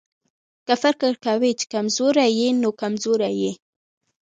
که فکر کوې چې کمزوری يې نو کمزوری يې.